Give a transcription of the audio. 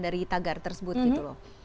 dari tagar tersebut gitu loh